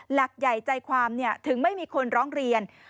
หลักใหญ่ใจความถึงไม่มีคนร้องเรียน